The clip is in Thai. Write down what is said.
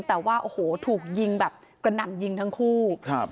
แต่ว่าโอ้โหถูกยิงแบบกระหน่ำยิงทั้งคู่ครับ